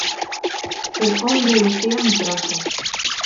El hombre vestía un traje.